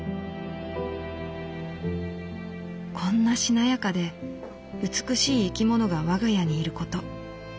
「こんなしなやかで美しい生き物が我が家にいること。